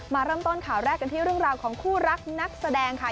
มาเริ่มต้นข่าวแรกกันที่เรื่องราวของคู่รักนักแสดงค่ะ